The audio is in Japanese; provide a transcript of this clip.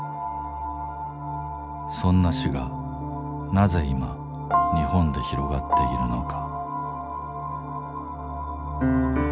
そんな死がなぜ今日本で広がっているのか。